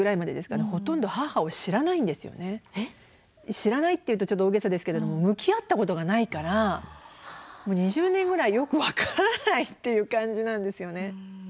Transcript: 知らないって言うとちょっと大げさですけれども向き合ったことがないからもう２０年ぐらいよく分からないっていう感じなんですよね。